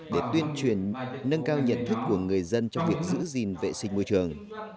để tuyên truyền nâng cao nhận thức của người dân trong việc giữ gìn vệ sinh môi trường